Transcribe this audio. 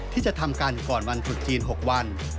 ที่จะทำกันก่อนวันตรุษจีน๖วัน